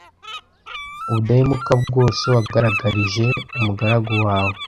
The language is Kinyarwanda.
ubudahemuka bwose wagaragarije umugaragu wawe